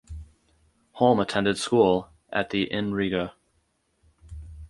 Holm attended school at the in Riga.